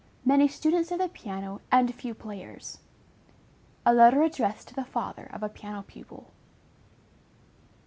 MANY STUDENTS OF THE PIANO AND FEW PLAYERS. _(A Letter addressed to the Father of a Piano Pupil).